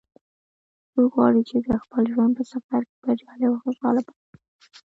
څوک غواړي چې د خپل ژوند په سفر کې بریالی او خوشحاله پاتې شي